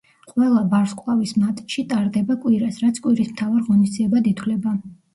ყველა-ვარსკვლავის მატჩი ტარდება კვირას, რაც კვირის მთავარ ღონისძიებად ითვლება.